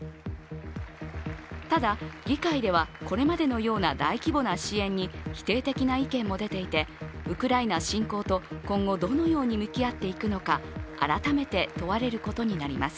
ただ、議会ではこれまでのような大規模な支援に否定的な意見も出ていてウクライナ侵攻と今後どのように向き合っていくのか改めて問われることになります。